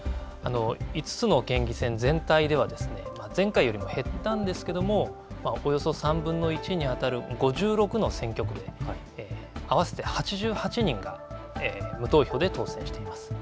５つの県議選全体では、前回よりも減ったんですけども、およそ３分の１に当たる５６の選挙区で、合わせて８８人が無投票で当選しています。